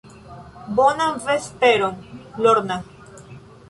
Bonan vesperon, Lorna.